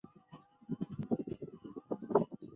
即有地质遗迹资源分布的地点。